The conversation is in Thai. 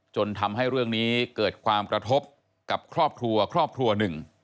จนทำให้เรื่องนี้เกิดความกระทบกับครอบครัวครอบครัวหนึ่ง